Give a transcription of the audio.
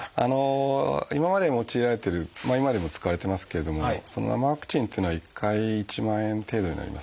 今まで用いられてる今でも使われてますけれどもその生ワクチンっていうのは１回１万円程度になりますね。